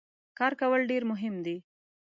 کار کول ډیر مهم دي.